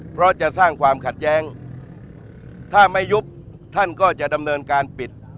เพราะจะสร้างความขัดแย้งถ้าไม่ยุบท่านก็จะดำเนินการปิด